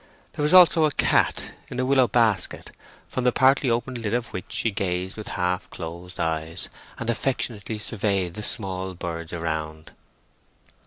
There was also a cat in a willow basket, from the partly opened lid of which she gazed with half closed eyes, and affectionately surveyed the small birds around.